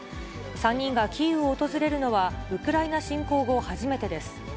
３人がキーウを訪れるのは、ウクライナ侵攻後、初めてです。